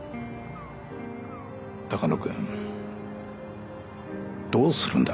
鷹野君どうするんだ？